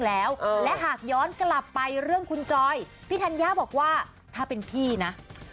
แล้วและหากย้อนกลับไปเรื่องคุณจอยพี่ธัญญาบอกว่าถ้าเป็นพี่นะ